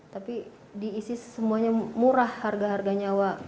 tapi di isis semuanya murah harga harga nyawa